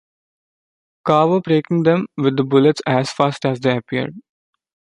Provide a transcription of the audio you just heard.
Carver breaking them with the bullets as fast as they appeared.